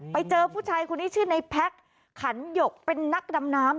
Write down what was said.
ไปเจอผู้ชายคนนี้ชื่อในแพ็คขันหยกเป็นนักดำน้ำ